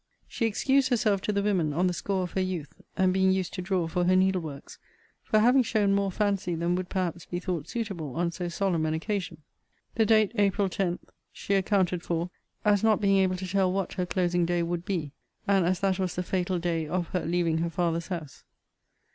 She excused herself to the women, on the score of her youth, and being used to draw for her needleworks, for having shown more fancy than would perhaps be thought suitable on so solemn an occasion. The date, April 10, she accounted for, as not being able to tell what her closing day would be; and as that was the fatal day of her leaving her father's house.